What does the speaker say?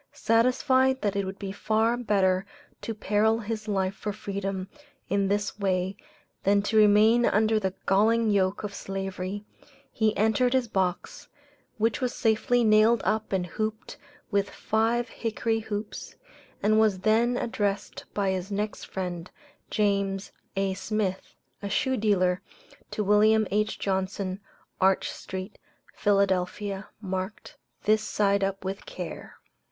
Satisfied that it would be far better to peril his life for freedom in this way than to remain under the galling yoke of Slavery, he entered his box, which was safely nailed up and hooped with five hickory hoops, and was then addressed by his next friend, James A. Smith, a shoe dealer, to Wm. H. Johnson, Arch street, Philadelphia, marked, "This side up with care."